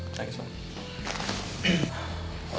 terima kasih mon